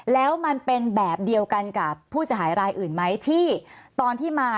แล้วมันเป็นแบบเดียวกันกับผู้เสียหายรายอื่นไหมที่ตอนที่มา